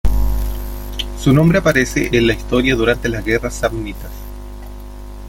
Su nombre aparece en la historia durante las guerras samnitas.